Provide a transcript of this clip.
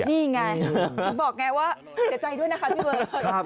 นี่ไงบอกไงว่าเสียใจด้วยนะคะพี่เบิร์ต